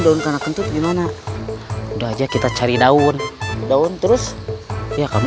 daun kena kentut gimana udah aja kita cari daun daun terus ya kamu